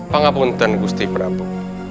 pak kapunten gusti prabu